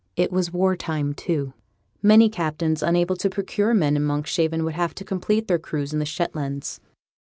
It was war time, too. Many captains unable to procure men in Monkshaven would have to complete their crews in the Shetlands.